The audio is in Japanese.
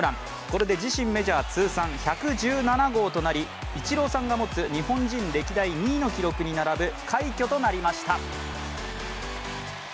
これで自身メジャー通算１１７号となりイチローさんが持つ日本人歴代２位の記録に並ぶ快挙となりました。